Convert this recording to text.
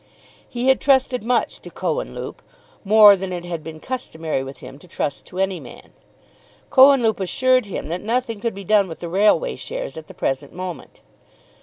He had trusted much to Cohenlupe, more than it had been customary with him to trust to any man. Cohenlupe assured him that nothing could be done with the railway shares at the present moment.